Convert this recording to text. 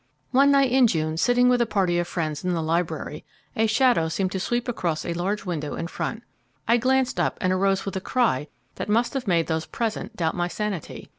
One night in June, sitting with a party of friends in the library, a shadow seemed to sweep across a large window in front. I glanced up, and arose with a cry that must have made those present doubt my sanity.